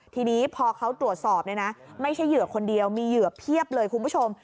ทีนี้พอเขาตรวจสอบเนี่ยนะไม่ใช่เหยื่อคนเดียวมีเหยื่อเพียบเลยคุณผู้ชม